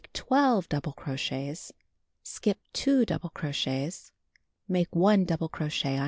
Chain 3 double crochets. Skip 3 double crochets. Make 12 double crochets.